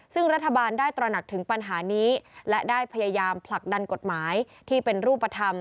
ซึ่งรัฐบาลได้ตระหนักถึงปัญหานี้และได้พยายามผลักดันกฎหมายที่เป็นรูปธรรม